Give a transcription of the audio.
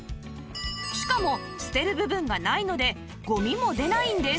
しかも捨てる部分がないのでゴミも出ないんです